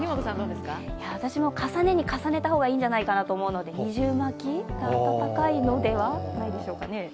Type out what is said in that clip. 私も重ねに重ねた方がいいんじゃないかなと思うので二重巻きが暖かいのではないでしょうか。